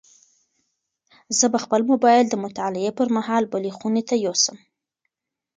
زه به خپل موبایل د مطالعې پر مهال بلې خونې ته یوسم.